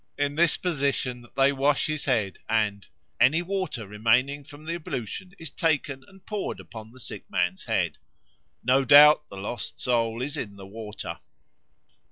In this position they wash his head, and "any water remaining from the ablution is taken and poured upon the sick man's head." No doubt the lost soul is in the water.